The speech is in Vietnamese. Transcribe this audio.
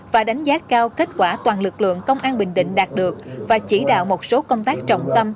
và đánh giá cao kết quả toàn lực lượng công an bình định đạt được và chỉ đạo một số công tác trọng tâm